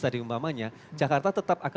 tadi umpamanya jakarta tetap akan